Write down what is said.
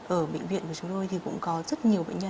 ở bệnh viện của chúng tôi thì cũng có rất nhiều bệnh nhân